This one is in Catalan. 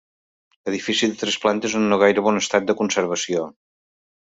Edifici de tres plantes en no gaire, bon estat de conservació.